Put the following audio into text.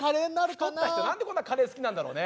太った人何でこんなカレー好きなんだろうね。